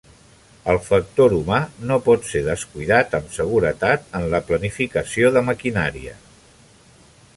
El factor humà no pot ser descuidat amb seguretat en la planificació de maquinària.